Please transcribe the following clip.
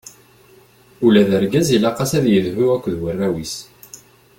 Ula d argaz ilaq-as ad yedhu akked warraw-is.